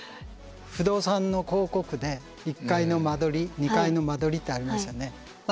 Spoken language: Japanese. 不動産の広告で１階の間取り２階の間取りってありますよね。